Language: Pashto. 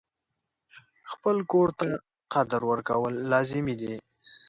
خپل کور ته قدر ورکول لازمي دي.